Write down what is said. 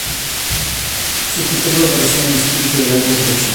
Su espectáculo apareció en el espíritu del álbum próximo.